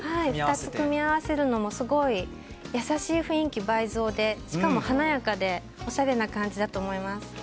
２つ組み合わせるのも優しい雰囲気倍増で、華やかでおしゃれな感じだと思います。